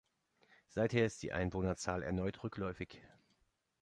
Seither ist die Einwohnerzahl erneut rückläufig.